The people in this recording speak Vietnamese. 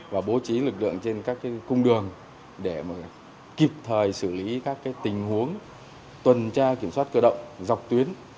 và bố trí lực lượng trên các cung đường để kịp thời xử lý các tình huống tuần tra kiểm soát cơ động dọc tuyến